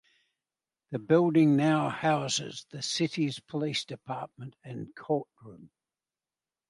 The building now houses the city's police department and courtroom.